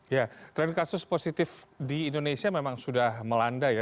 ya tren kasus positif di indonesia memang sudah melanda ya